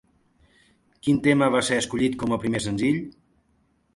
Quin tema va ser escollit com a primer senzill?